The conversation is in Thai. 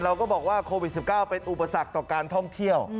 เราก็บอกว่าโควิด๑๙เป็นอุปสรรคต่อการท่องเที่ยว